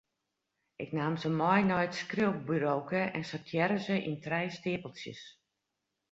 Ik naam se mei nei it skriuwburoke en sortearre se yn trije steapeltsjes.